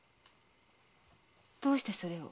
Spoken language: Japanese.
どうしてそれを？